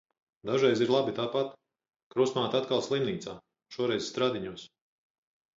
Dažreiz ir labi tāpat. Krustmāte atkal slimnīcā. Šoreiz Stradiņos.